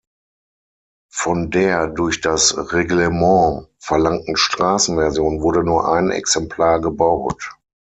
Von der durch das Reglement verlangten Straßenversion wurde nur ein Exemplar gebaut.